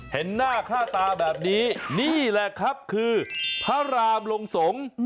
เห็นหน้าค่าตาแบบนี้นี่แหละครับคือพระรามลงสงฆ์